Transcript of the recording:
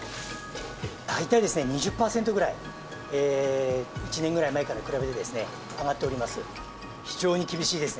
大体ですね、２０％ぐらい、１年ぐらい前から比べてですね、上がっております。